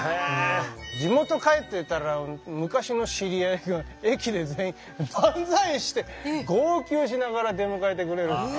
地元帰ってたら昔の知り合いが駅で全員万歳して号泣しながら出迎えてくれるしね。